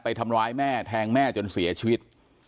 ทำร้ายแม่แทงแม่จนเสียชีวิต